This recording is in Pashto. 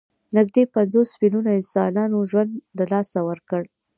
نږدې پنځوس میلیونو انسانانو ژوند له لاسه ورکړ.